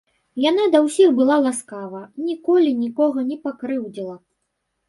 Яна да ўсіх была ласкава, ніколі нікога не пакрыўдзіла.